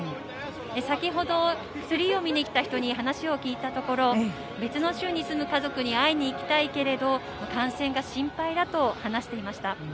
先ほどツリーを見に来た人に話を聞いたところ、別の州に住む家族に会いに行きたいけれど、感染が心配だと話していました。